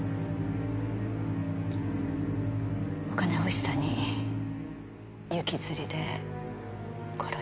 お金欲しさに行きずりで殺したと。